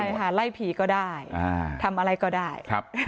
ใช่ค่ะไล่ผีก็ได้ทำอะไรก็ได้